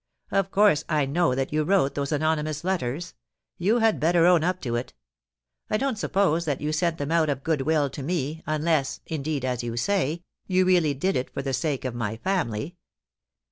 Of course I know that you wrote those anonymous letters. You had better own up to it I don't suppose that you sent them out of goodwill to me, unless, indeed, as you say, you really did it for the sake of my family.